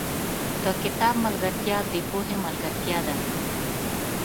• د کتاب ملګرتیا، د پوهې ملګرتیا ده.